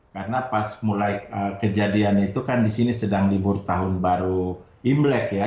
karena pas mulai kejadian itu kan di sini sedang libur tahun baru imlek ya